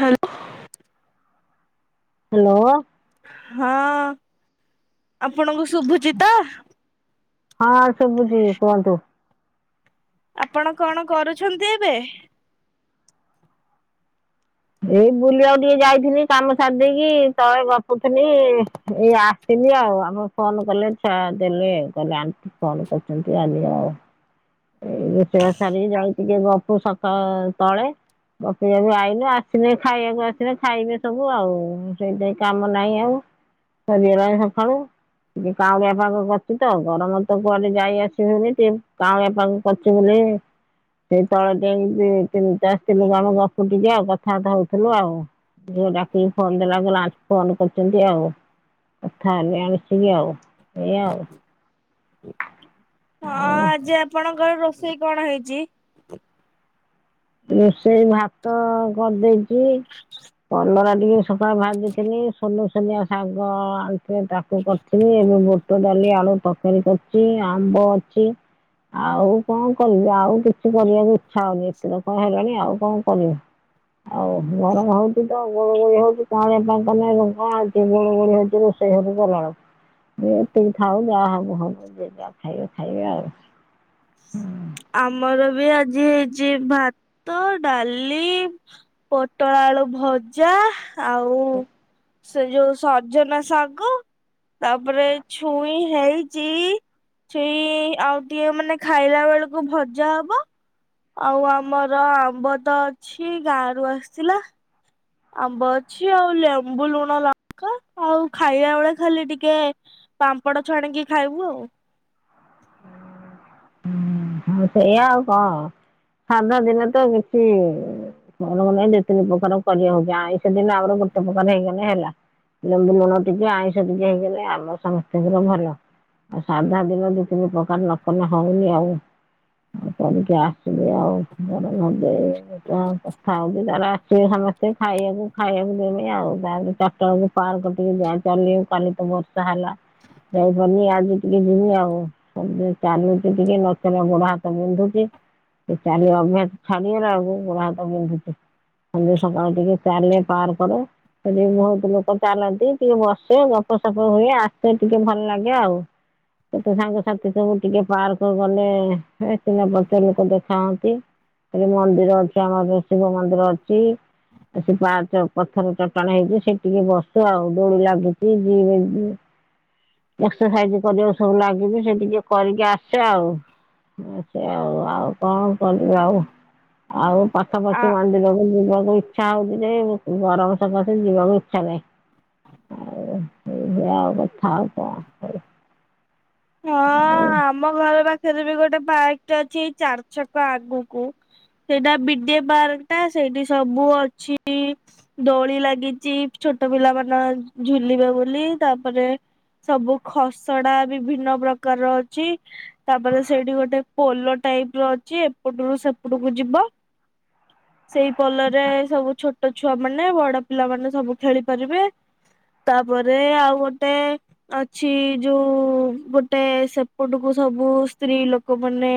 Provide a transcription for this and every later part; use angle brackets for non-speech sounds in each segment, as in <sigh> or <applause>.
Hello. Hello. ହଁ ଆପଣଙ୍କୁ ଶୁଭୁଚିତ ହଁ ସଭୁଚି କୁହନ୍ତୁ। ଆପଣ କଣ କରୁଛନ୍ତି ଏବେ? ଏଇ ବୁଲିବା ଆକୁ ଟିକେ ଯାଇିଥିଲି କାମ ସାରି ଦେଇକି ତଳେ ଗପୁଥିଲି-ଇ-ଇ। ଏଇ ଆସିଲି ଆଉ ଆମ ଫୋନ କଲେ ଛୁଆ ଦେଲେ ଆ କହିଲେ ଆଣ୍ଟି ଫୋନ କରିଛନ୍ତି ଆ ନିଅ। ଏ ରୋଷେଇବାସ ସାରିକି ଯାଉଛି ଟିକେ ଗପ ସପ ତଳେ ଗପିବାକୁ ଆଇଲି ଆସିଲେ ଖାଇବାକୁ ଆସିଲେ ଖାଇବେ ସବୁ ଆଉ। ସେଇଥିପାଇଁ କାମ ନାହିଁ ଆଉ ଶରିଗଲାନି ସକାଳୁ। ଟିକେ କାଉରିଆ ପାଗ କରଛି ତ ଗରମ ତ କୁଆଡେ ଯାଇ ଆସି ହଉନି ଯେ କାଉଳି ଫୋନ କରୁଛ ବୋଲି ସେଇ ତଳ <unintelligible> ତିନିଟା ସ୍ତ୍ରୀଲୋକ ଆମ ଗପୁ ଟିକେ ଆଉ କଥାବାର୍ତା ହଉଥିଲୁ ଆଉ। ଝିଅ ଡାକିକି ଫୋନ ଦେଲା କହିଲା ଆ ଫୋନ କରିୁଛନ୍ତି ଆଉ। କଥା ହେଲେ ଆସିକି ଆଉ, ଏୟା ଆଉ। ହଁ ଆଜି ଆପଣ ଙ୍କର ରୋଷେଇ କଣ ହେଇଛି? ରୋଷେଇ ଭାତ କରିଦେଇ କି ପନ୍ଦର ସଭା ଭାଜି ଥିଲି ସୋନୁ ଚୁନିଆ ଶାଗ ଆଣିଛି ତାକୁ କରିଥିଲି, ଏବେ ବୁଟ ଡାଲି ଆଳୁ ତରକାରୀ କରିଛି। ଆମ୍ବ ଅଛି, ଆଉ କଣ କରିବି ଆଉ କିଛି କରିଆକୁ ଇଚ୍ଛା ହଉନି। ଏତେ ତ କଣ ହେଲାଣି ଆଉ କଣ କରିବି, ଆଉ ଗରମ ହଉଛି ତ ଗୁଳୁଗୁଳି ହଉଛି କଣ ଏପାଇଁ କଲେ <unintelligible> ଗୁଳୁଗୁଳି ହଉଛି ରୋଷେଇ ଘରକୁ ଗଲାଆଳକୁ। ଏତିକି ଥାଉ ଯାହା ହବ ହବ ଯାହା ଖାଇବେ ଖାଇବେ ଆଉ। ଆମର ବି ଆଜି ହେଇଛି ଭାତ, ଡାଲି, ପୋଟଳ ଆଳୁ ଭଜା ଆଉ ସେ ଯୋଉ ସଜନା ଶାଗ ତାପରେ ଛୁଇଁ ହେଇଛି ଛୁଇଁ ଆଉ ଟିକିଏ ମାନେ ଖାଇଲା ବେଳକୁ ଭଜା ହବ ଆଉ ଆମର ଆମ୍ବ ତ ଅଛି ଗାଁ ରୁ ଆସିଥିଲା। ଆମ୍ବ ଅଛି ଆଉ ଲେମ୍ବୁ ଲୁଣ ଲଙ୍କା ଆଉ ଖାଇଲା ବେଳେ ଖାଲି ଟିକେ ପାମ୍ପଡ଼ ଛାଣିକି ଖାଇବୁ ଆଉ। ହଁ ସେଇଆା ଆଉ କଣ ସାଧା ଦିନ ତ କିଛି-ଇ-ଇ <unintelligible> ନାହିଁ ଦି ତିନି ପ୍ରକାର କରିବା ହଉଛି। ଆଇଁଷ ଦିନ ଆମର ଗୋଟେ ପ୍ରକାର ହେଇଗଲେ ହେଲା। ଲୁଣ ଟିକେ ଆଇଁଷ ଟିକେ ହେଇଗଲେ ଆମ ସମସ୍ତଙ୍କର ଭଲ ଆଉ ସାଧା ଦିନ ଦୁଇ ତିନି ପ୍ରକାର ନ କଲେ ହଉନି ଆଉ କରିକି ଆସିବେ ଆଉ ଘରଜ କଥା ହଉଛି ତାର ଆସିବେ ସମସ୍ତେ ଖାଇବାକୁ ଖାଇବାକୁ ଦେମି ଆଉ। ତାପରେ ଚାରଟା ବେକୁ ପାର୍କ ଟିକେ ଯାଇପାରୁନି ଚାଲିଆକୁ କାଲି ତ ବର୍ଷା ହେଲା ଯାଇପାରୁନି ଆଜି ଟିକେ ଯିମି ଆଉ ଚାଲି ସେ ଟିକେ ନ ଚାଲିଲେ ଗୋଡା ହାତ ବିନ୍ଧୁଛି ଚାଲିବା ଅଭ୍ୟାସ ଛାଡିଗଲା ଆଳକୁ ଗୋଡା ହାତ ବିନ୍ଧୁଛି। ଖାଲି ସକାଳୁ ଟିକେ ଚାଲେ ପାର୍କରେ ସେଠି ବହୁତ ଲୋକ ଚାଲନ୍ତି କିଏ ବସେ, ଗପସପ ହୁଏ ଆସେ ଟିକେ ଭଲ ଲାଗେ ଆଉ। ଏତେ ସାଙ୍ଗସାଥି ସବୁ ଟିକେ ପାର୍କ ଲୋକ ଗଲେ ହେ ସିନା ପଛ ଲୋକ ଦେଖାହନ୍ତି ସେ ମନ୍ଦିର ଅଛି ଆମର ଶିବ ମନ୍ଦିର ଅଛି। ସେ ପାହାଚ ପଥର ଚଟାଣ ହେଇଛି ସେ ଟିକେ ବସେ ଆଉ ଦୋଳି ଲାଗୁଛି। ଏକ୍ସର୍ସାଇଜ କରିବାକୁ ସବୁ ଲାଗଛି ସେ ଟିକେ କରିକି ଆସ୍ ସେ ଆଉ ସେ ଆଉ ଆଉ କଣ କରିବି ଆଉ ଆଉ ପାଖା ଆ ପାଖି <unintelligible> ଦି ଜଣ ମୋ ଇଛା ହଉଛି ଯେ ୟେ ଗରମ ସକାଶେ ଯିବାକୁ ଇଚ୍ଛା ନାହିଁ। ଆଉ ଆଉ କଥା ଆଉ କଣ କହିବ। ହଁ-ଅ-ଅ-ଅ ଆମ ଘରେ ଵା ସେରେ ବି ଗୋଟେ ପାର୍କଟା ଅଛି ଚାରି ଛକ ଆଗକୁ ସେଇଟା ବି ଡି ଏ ପାର୍କ ଟା ସେଇଠି ସବୁ ଅଛି। ଦୋଳି ଲାଗିଛି ଛୋଟ ପିଲା ମାନ ଝୁଲିବେ ବୋଲି ତାପରେ ସବୁ ଖସଡା ବି ଭିନ୍ନ ପ୍ରକାରର ଅଛି ତାପରେ ସେଇଠି ଗୋଟେ ପୋଲ ଟାଇପ ର ଅଛି ଏପଟରୁ ସେପଟକୁ ଯିବ। ସେଇ ପୋଲରେ ସବୁ ଛୋଟ ଛୋଟ ଛୁଆ ମାନେ ବଡ ପିଲାମାନେ ସବୁ ଖେଳି ପାରିବେ। ତାପରେ ଆଉ ଗୋଟେ ଅଛି ଯୋଉ-ଉ-ଉ ଗୋଟେ ସେପଟକୁ ସବୁ ସ୍ତ୍ରୀ ଲୋକ ମାନେ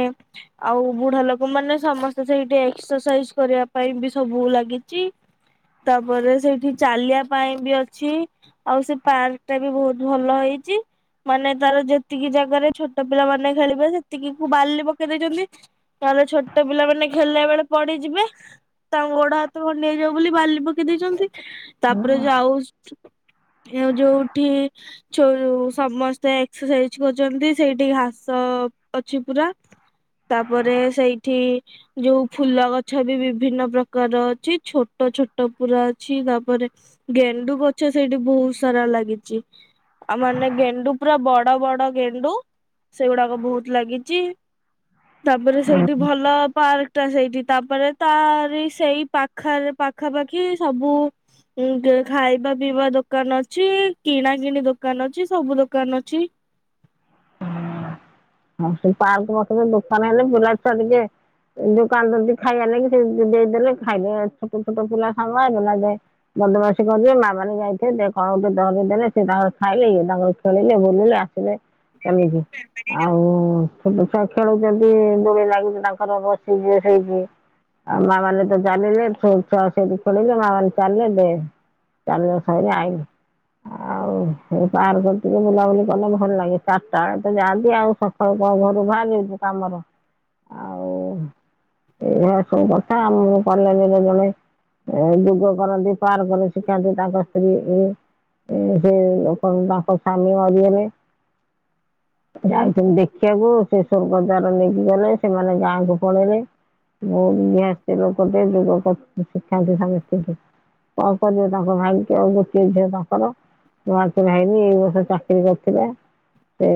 ଆଉ ବୁଢା ଲୋକ ମାନେ ସମସ୍ତେ ସେଇଠି ଏକ୍ସରସାଇଜ କରିବା ପାଇଁ ବି ସବୁ ଲାଗିଛି। ତାପରେ ସେଇଠି ଚାଲିବା ପାଇଁ ବି ଅଛି ଆଉ ସେ ପାର୍କ ଟା ବି ବହୁତ ଭଲ ହେଇଛି ମାନେ ତାର ଯେତିକି ଜାଗାରେ ଛୋଟ ପିଲା ମାନେ ଖେଳିବେ ସେତିକି କୁ ବାଲି ପକେଇ ଦେଇଛନ୍ତି। ତାଲେ ଛୋଟ ପିଲା ମାନେ ଖେଳିଲା ବେଳେ ପଡିଯିବେ, ତାଙ୍କ ଗୋଡ ହାତ ଖଣ୍ଡିଆ ହେଇଯିବ ବୋଲି ବାଲି ପକେଇ ଦେଇଛନ୍ତି। ତାପରେ ଯାଉ ହେ ଯୋଉ ଏଠି ଛୋ ଉ-ଉ-ଉ ସମସ୍ତେ ଏକ୍ସର୍ସାଇଜ କରିଛନ୍ତି। ସେଇଠି ଘାସ-ଅ-ଅ ଅଛି ପୁରା। ତାପରେ ସେଇଠି ଯୋଉ ଫୁଲ ଗଛ ବି ବିଭିନ୍ନ ପ୍ରକାର ଅଛି, ଛୋଟ ଛୋଟ ପୁରା ଅଛି। ତାପରେ ଗେଣ୍ଡୁ ଗଛ ସେଇଠି ବହୁତ ସାରା ଲାଗିଛି। ଆଉ ମାନେ ଗେଣ୍ଡୁ ପୁରା ବଡ ବଡ ବଡ ଗେଣ୍ଡୁ ସେଗୁଡାକ ବହୁତ ଲାଗିଛି। ତାପରେ ସେଇଠି ଭଲ ପାର୍କ ଟା ସେଇଠି ତାପରେ ତାରି ସେଇ ପାଖରେ ପାଖାପାଖି ସବୁ ଉ ଖାଇବା ପିଇବା ଦୋକାନ ଅଛି। କିଣା କିିଣି ଦୋକାନ ଅଛି। ସବୁ ଦୋକାନ ଅଛି। ହଁ ସେଇ ପାର୍କ ପାଖରେ ଦୋକାନ ହେଲେ ପିଲା ଛୁଆ ଟିକେ ଦୋକାନରୁ ଟିକେ ଖାଇଆ ନେଇ ଦେ ଦେଇଦେଲେ ଖାଇଦେ। ଛୋଟ ଛୋଟ ପିଲା ସାଙ୍ଗ ନହେଲେ ବଦମାସି କରିବେ। ମା ମାନେ ଯାଇଥିବେ କଣ ଗୋଟେ ଧରିଦେଲେ ସେ ତାଙ୍କର ଖାଇଲେ ଇଏ ତାଙ୍କର ଖେଳିଲେ ବୁଲିଲେ ଆସିଲେ। ଏମିତି ଆଉ ଛୋଟ ଛୁଆ ଖେଳୁଛନ୍ତି ଦୋଳି ଲାଗଛି ତାଙ୍କର ବସିିଯିବେ ସେଇଠି ଆଉ ମା ମାନେ ତ ଚାଲିଲେ ଛୋଟ ଛୁଆ ସେଠି ଖୋଳିଲେ ମା ମାନେ ଚାଲିଲେ ଦେ ଚାଲିଲା ସଇଲା ଆଇଲେ ଆଉ ପାର୍କ ଟିକେ ବୁଲାବୁଲି କଲେ ଭଲ ଲାଗେ ଚାରିଟା ବେଳେ ତ ଯା ନ୍ତି ଆଉ ସକାଳ ଘରୁ ବାହାରାଉଛୁ କାମର ଆଉ ଏଇଆ ସବୁ କଥା ଆମ କଲେଜରେ ଜଣେ ଯୁଗ କରନ୍ତି ପାର୍କରେ ଶିଖାନ୍ତି ତାଙ୍କ ସ୍ତ୍ରୀ ସେ ତାଙ୍କ ସ୍ଵାମୀ ମରିଗଲେ। ଯାଇଛନ୍ତି ଦେଖିବାକୁ ସେ ସ୍ୱର୍ଗ ଦ୍ଵାର ନେଇକି ଗଲେ ସେମାନେ ଗାଁକୁ ପଳେଇଲେ ବୋସ ଲୋକ ଟେ ଯୋଗ ଶିଖାନ୍ତି ସମସ୍ତଙ୍କିକି କଣ କରିବେ ତାଙ୍କ ଭାଇ ଆଉ ଗୋଟିଏ ଝିଅ ତାଙ୍କର ବାହା ଶା ହେଇନି ଏଇ ବର୍ଷ ଚାକିରି କରିଥିଲା ସେ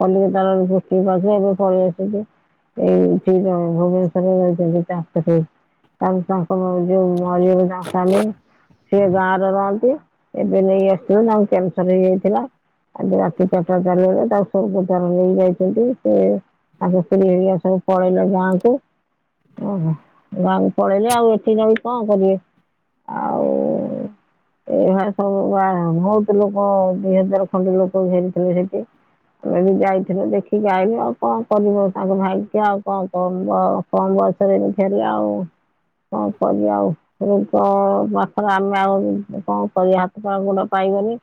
କଲିକତା ପୋଷ୍ଟିଂ ପାଇଥିଲା ଏବେ ପଳେଇ ଆସଛି ଏଇଠି ଭୁବନେଶ୍ଵରରେ ଯଛନ୍ତି ଚା ତାଙ୍କ ଯୋଉ ମରି ତାଙ୍କ ସ୍ଵାମୀ ସିଏ ଗାଁରେ ରହନ୍ତି ଏବେ ନେଇକି ଆସିଥିଲେ ତାଙ୍କୁ କ୍ୟାନସର ହେଇଯାଇଥିଲା ଆଜି ରାତି ଚାରିଟା ବେଳେ ତା ସଚାର ନେଇ ଯାଇଛନ୍ତି ସେ ହାତଶ୍ରୀ ହେଇଗ ସବୁ ପଳେଇଲେ ଗାଁ କ ଓ ଗାଁ କ ପଳେଇଲେ ଆଉ ଏଠି ଯ କଣ କରିବେ ଆଉ ଏଭ ସବୁ ବା ବହୁତ ଲୋକ ଦିଇ ହଜାର ଖଡି ଲୋକ ଘେରିଥିଲେ ସେଠି ଆମେ ବି ଯାଇଥିଲୁ ଦେଖିକି ଆଇନୁ ଆଉ କଣ କରିବ ତାଙ୍କୁ ଭାଗ୍ୟ ଆଉ କଣ କ କମ୍ ବୟସରେ ବି ଆଉ କଣ କରିବା ଆଉ ରୋଗ ପାଖରେ ଆମେ ଆଉ କଣ କରିବା ହାତ ପା ଗୋଡ ପାଇବନି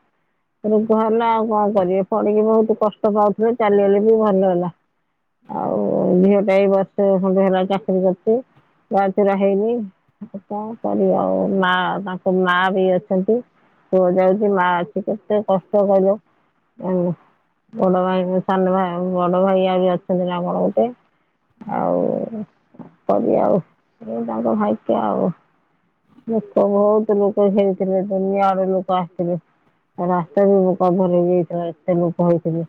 ରୋଗ ହେଲେ ଆଉ କଣ କରିବେ ପଡିକି ବହୁତ କଷ୍ଟ କଷ୍ଟ ପାଉଥିଲେ ଚାଲିଗଲେ ବି ଭଲ ହେଲା ଆଉ ଝିଅଟା ବି ବର୍ଷେ ହେଲା ଚାକିରି କରିଛି ବାହା ଚୁରା ହେଇନି କର ଆଉ ମା ତାଙ୍କ ମା ବି ଅଛନ୍ତି ପୁଅ ଯାଉଛି ମା ଅଛି କେତେ କଷ୍ଟ କହିଲ ବଡ ଭାଇ ସାନ ଭାଇ ବଡ ଭାଇ ଆହୁରି ବି ଅଛନ୍ତି ଆପଣ ଗୋଟେ ଆଉ ବି ଆଉ ତାଙ୍କ ଭାଇ ଆଉ ଲୋକ ବହୁତ ଲୋକ ହେଥିଲେ ଦୁନିଆଡ ଲୋକ ଆସିଥିଲେ ରାସ୍ତା ବି କଭର ହେଇଯାଇଥିଲା ଏତେ ଲୋକ କହିଥିଲି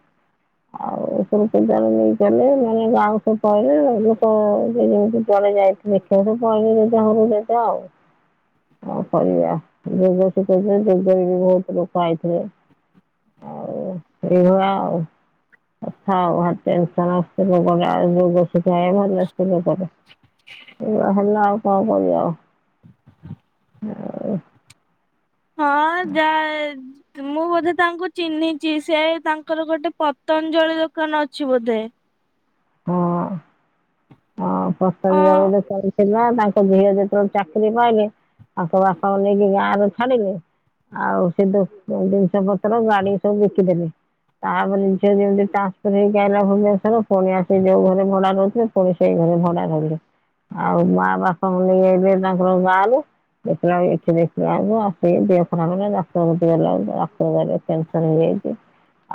ଆଉ ସ ପୂଜାରେ ନେଇଲେ ମାନେ ଗାଁ ସ ପହିଲେ ଲୋକ ଯେ ଯେମିତି ଜଳେ ଯାଇଥିଲେ ପହିଲ ଯେଟ ହରୁଟ ଆଉ କରିବା ଯୋଗ ଶିଖେଇଥିଲେ ଯୋଗରେ ବି ବହୁତ ଲୋକ ଆଇଥିଲେ ଆଉ ଏଇଭଳିଆ ଆଉ ଅଛା ଭାରି ଟେନସନ୍ ରୋଗ ଟା ଯାୟ ଭଲସ ତ ତର ଏଇଆ ହେଲା ଆଉ କଣ କରିବ ଆଉ ହଁ ଯା ମୁଁ ବୋଧେ ତାଙ୍କୁ ଚିହ୍ନିଛି ସେ ତାଙ୍କର ଗୋଟେ ପତଞ୍ଜଳି ଦୋକାନ ଅଛି ବୋଧେ ହଁ। ହଁ ଅ ପତାଞ୍ଜଳି ଦୋକାନ ଥିଲା ତାଙ୍କ ଝିଅ ଯେତେବେଳେ ଚାକିରି ପାଇଲେ ତାଙ୍କ ବାପାଙ୍କୁ ନେଇକି ଗାଁ ରେ ଛାଡିଲେ ଆଉ ସେ ଜିନିଷ ପତ୍ର ଗାଡି ସବୁ ବିକିଦେଲେ ତାପରେ ଝିଅ ଯେମତି ଟ୍ରାନ୍ସଫ ହେଇକିଲା ଭୁବନେଶ୍ର ପ ସେ ଯୋଉ ଘରେ ଭଡା ରହୁଥିଲେ ପୁଣି ସେଇ ଘରେ ଭଡା ରହିଲେ ଆଉ ମା ବାପାଙ୍କୁ ନେଇଯାଇଥିଲେ ତାଙ୍କର ଗାଁରୁ ଦେଖିଲା ଏଠି ଦେଖିବା ଆସିକି ଦି ଖରା କଲା ଡାକ୍ତର ଗଲା ଡାକ୍ତର ଘରେ କ୍ୟାନସର ହେଇଯାଇଛି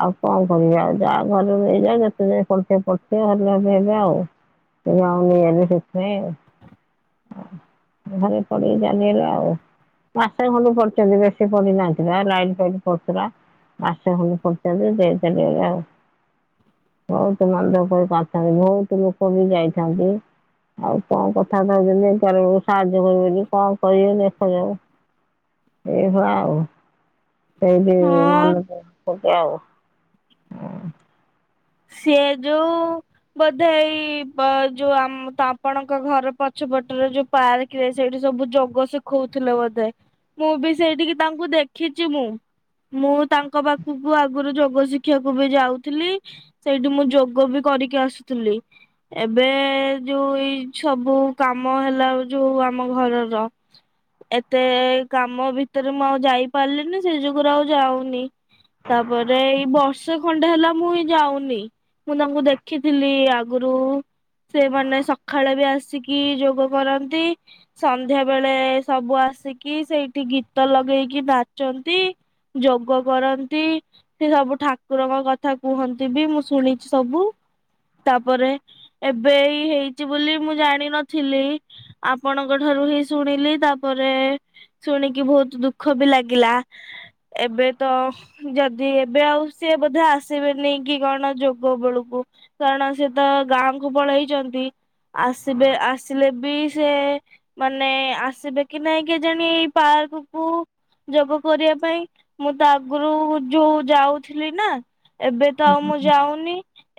ଆଉ କଣ କର ଆଉ ଯାହା ଘର ନେଇଯାଉ ଯେତେ ପ ସେ ଭଲ ବି ଆଉ ନେଇଗଲେ ସେଥିପାଇଁ ବେ ଆଉ ସେଥିପାଇଁ ଆ ଘରେ ପଡି ଚାଲିଗଲା ଆଉ। ମାସେ ଖଣ୍ଡେ ପଡିଛନ୍ତି ବେଶୀ ପଡିନାହାନ୍ତି। ବା ଲାଇଟ୍ ଫାଇଟ୍ ପଡୁଥିଲା ମାସେ ଖଣ୍ଡେ ପଡିଛନ୍ତି ଚାଲିଗଲେ ଆଉ ଥା ବହୁତ ଲୋକ ବି ଯାଇଥାନ୍ତି ଆଉ କଣ କଥାଥାଉ ସାହାଯ୍ୟ କରିବ କଣ କରିବ ଦେଖାଯାଉ ଏଇଭଳିଆ ଆଉ ସେଇଠି ହଁ ମନ ଦୁଃଖ ହୋଉଛି ଆଉ। ସିଏ ଯୋଉ ବୋଧେ ଏଇ ପ ଯୋଉମ ଆପଣଙ୍କ ଘର ପଛ ପଟରେ ଯୋଉ ପାର୍କରେ ସେଇଠି ସବୁ ଯୋଗ ଶିଖଉଥିଲେ ବୋଧେ ମୁଁ ବି ସେଇଠିକି ତାଙ୍କୁ ଦେଖିଛି ମୁଁ ମୁଁ ତାଙ୍କ ପାଖକୁ ଆଗରୁ ଯୋଗ ଶିଖିବାକୁ ବି ଯାଉଥିଲି। ସେଇଠି ମୁଁ ଯୋଗ ବି କରିକି ଆସୁଥିଲି ଏବେ ଯୋଉ ଏଇ ସବୁ କାମ ହେଲା ଯୋଉ ଆମ ଘରର ଏତେ କାମ ଭିତରେ ମୁଁ ଆଉ ଯାଇପାରିଲିନି ସେଇ ଯୁଗୁରୁ ଆଉ ଯାଉନି ତାପରେ ଏଇ ବର୍ଷେ ଖଣ୍ଡେ ହେଲା ମୁଁ ଯାଉନି ନି ମୁଁ ତାଙ୍କୁ ଦେଖିଥିଲି ଆଗରୁ ସେମାନୋନ ସକାଳେ ବି ଆସିକି ଯୋଗ କରନ୍ତି ସନ୍ଧ୍ୟା ବେଳେ ସବୁ ଆସିକି ସେଇଠି ଗୀତ ଲଗେଇକି ନାଚନ୍ତି ଯୋଗ କରନ୍ତି ସେ ସବୁ ଠାକୁରଙ୍କ କଥା କୁହନ୍ତି। ମୁଁ ଶୁଣିଛି ସବୁ ତାପରେ ଏବେ ହେଇଛି ବୋଲି ମୁଁ ଜାଣିନଥିଲି ଆପଣଙ୍କ ଠାରୁ ହିଁ ଶୁଣିଲି ତାପରେ ଶୁଣିକି ବହୁତ ଦୁଃଖ ବି ଲାଗିଲା ଏବେ ତ ଯଦି ଏବେ ଆଉ ସିଏ ବୋଧେ ଆସିବେନି କି କଣ ଯୋଗ ବେଳକୁ କାରଣ ସେ ତ ଗାଁ କ ପଳେଇଛନ୍ତି ଆସିବେ ଆସିଲେ ବି ସେ ମାନେ ଆସିବେ କି ନାଇଁ କେଜାଣ ଏଇ ପାର୍କକୁୁ ଯୋଗ କରିବା ପାଇଁ ମୁଁ ତ ଆଗରୁ ଯୋଉ ଯାଉଥିଲି ନା ତଉ ମୁଁ ଯାଉନି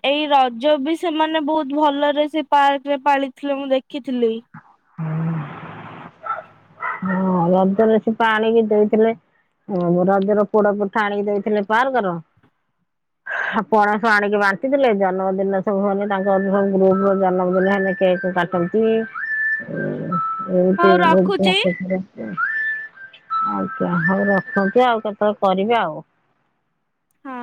ଏଇ ରଜ ବି ସେମାନେ ବହୁତ ଭଲରେ ସେ ପାର୍କରେ ପାଳିଥିଲେ ମୁଁ ଦେଖିଥିଲି। ହ ରଜରେ ସେପା ଆଣିକି ଦେଇଥିଲେ ରଜର ପୋଡ ପିଠା ଆଣିକି ଦେଇଥିଲେ ପାର୍କର ପଣସ ଆଣିକି ବାଣ୍ଟିଥିଲେ ଜନ୍ମଦିନ ସବୁ ହେଲେ ତାଙ୍କ ସବୁ ଗ୍ରୁପ ର ଜନ୍ମଦିନ ହେଲେ କେକ୍ କାଟନ୍ତି ହୁଁ। ହଉ ରଖୁଛି <unintelligible> ଆଜ୍ଞା ହଉ ରଖନ୍ତି ଆଉ କେତେବେଳେ କରିବେ ଆଉ ହଁ।